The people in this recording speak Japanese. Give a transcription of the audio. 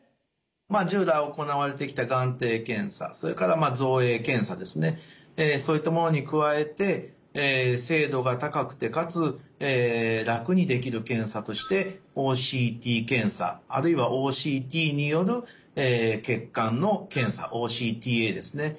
まあ従来行われてきた眼底検査それから造影検査ですねそういったものに加えて精度が高くてかつ楽にできる検査としてＯＣＴ検査あるいはＯＣＴによる血管の検査ＯＣＴＡですね。